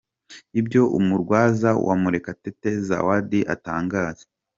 Ibyo umurwaza wa Murekatete Zawadi atangaza.